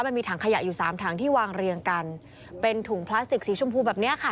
มันมีถังขยะอยู่สามถังที่วางเรียงกันเป็นถุงพลาสติกสีชมพูแบบเนี้ยค่ะ